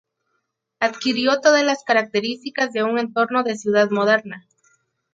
Adquirió todas las características de un entorno de ciudad moderna.